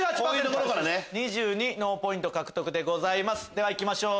ではいきましょう